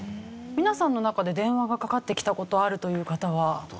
皆さんの中で電話がかかってきた事あるという方は？